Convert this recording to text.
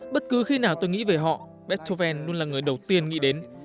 các cư khi nào tôi nghĩ về họ beethoven luôn là người đầu tiên nghĩ đến